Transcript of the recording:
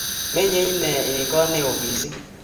Menyei inet eng kot neyo missing